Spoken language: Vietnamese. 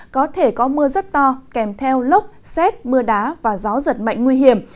có thể có mưa rất to kèm theo lốc xét mưa đá và gió giật mạnh nguy hiểm